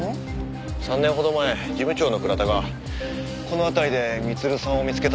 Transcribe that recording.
３年ほど前事務長の倉田がこの辺りで光留さんを見つけたそうなんです。